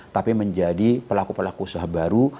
tapi menjadi pelaku pelaku usaha baru